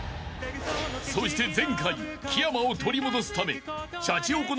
［そして前回木山を取り戻すためシャチホコの最高記録